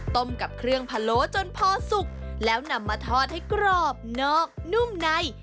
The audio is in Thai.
ต้มกับเครื่องพะโล้จนพอสุกแล้วนำมาทอดให้กรอบนอกนุ่มใน